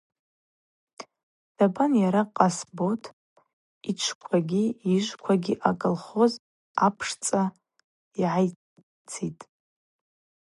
Дабан йара Къасбот йычвквагьи йыжвквагьи аколхоз апшцӏа йгӏайцитӏ.